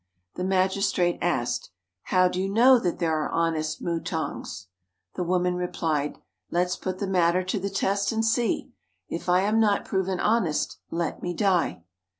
The magistrate asked, "How do you know that there are honest mutangs?" The woman replied, "Let's put the matter to the test and see. If I am not proven honest, let me die."